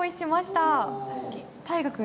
大河君